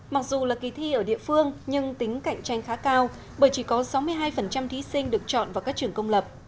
mặc dù là kỳ thi ở địa phương nhưng tính cạnh tranh khá cao bởi chỉ có sáu mươi hai thí sinh được chọn vào các trường công lập